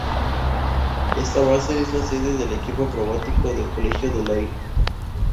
Esta base es la sede del Equipo Acrobático del Colegio del Aire.